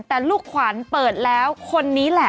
แต่ลูกขวัญเปิดแล้วคนนี้แหละ